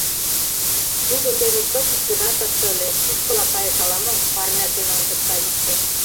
Тудо теве кызыт гына тыште ыле, тушкыла кайыш ала-мо, — парняж дене ончыкта икте.